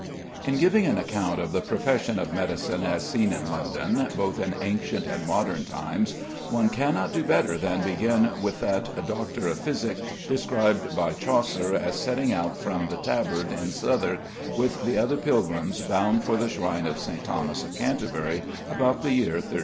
In giving an account of the profession of medicine as seen in London, both in ancient and modern times, one cannot do better than begin with that "Doctour of Phisik" described by Chaucer as setting out from the "Tabard" in Southwark with the other pilgrims bound for the shrine of St. Thomas of Canterbury about the year 1380.